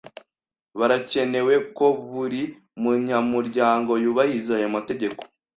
Birakenewe ko buri munyamuryango yubahiriza aya mategeko.